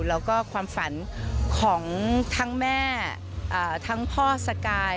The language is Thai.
แล้วก็ความฝันของทั้งแม่ทั้งพ่อสกาย